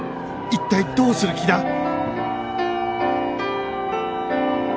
一体どうする気だ？